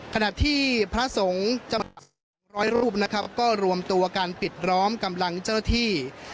ขณะที่พระสงฆ์จำนัดร้อยรูปก็รวมตัวการปิดล้อมกำลังเจ้าที่